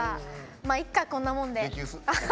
まあいいか、こんなもんで。